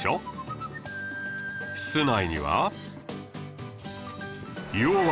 室内には